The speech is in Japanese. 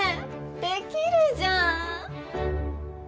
できるじゃん！